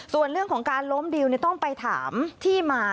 ส่วนเรื่องของการล้มดิวต้องไปถามที่มา